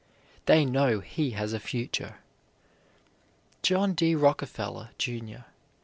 They know he has a future. John D. Rockefeller, Jr.